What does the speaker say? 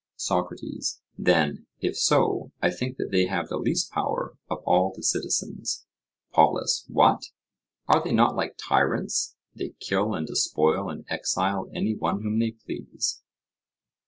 SOCRATES: Then, if so, I think that they have the least power of all the citizens. POLUS: What! are they not like tyrants? They kill and despoil and exile any one whom they please.